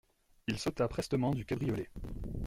Il sauta prestement du cabriolet.